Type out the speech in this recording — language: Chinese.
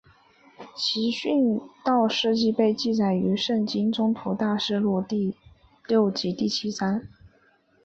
其殉道事迹被记载于圣经宗徒大事录第六及第七章。